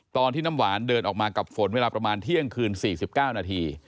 น้ำหวานเดินออกมากับฝนเวลาประมาณเที่ยงคืน๔๙นาที